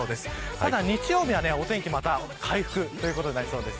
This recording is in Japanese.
ただ日曜日は、お天気また回復ということになりそうです。